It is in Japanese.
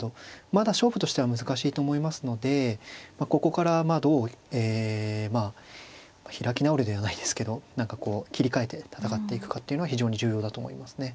まだ勝負としては難しいと思いますのでここからどうえまあ開き直るではないですけど何かこう切り替えて戦っていくかっていうのは非常に重要だと思いますね。